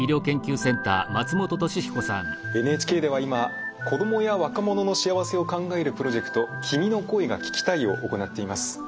ＮＨＫでは今子供や若者の幸せを考えるプロジェクト「君の声が聴きたい」を行っています。